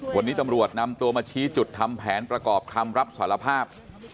วันนี้ตำรวจนำตัวมาชี้จุดทำแผนประกอบคำรับสารภาพ